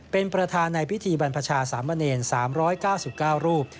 เป็นประธานในพิธีบรรพชาสามเณร๓๙๙รูป